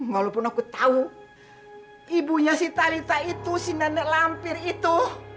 walaupun aku tahu ibunya si talita itu si nenek lampir itu